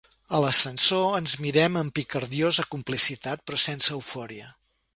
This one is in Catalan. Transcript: A l'ascensor ens mirem amb picardiosa complicitat però sense eufòria.